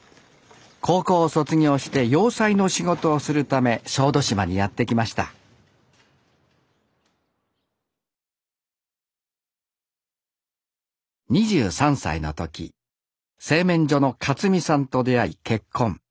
高校を卒業して洋裁の仕事をするため小豆島にやって来ました２３歳の時製麺所の克己さんと出会い結婚。